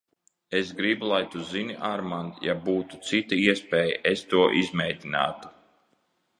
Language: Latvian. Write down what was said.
Es gribu, lai tu zini, Armand, ja būtu cita iespēja, es to izmēģinātu.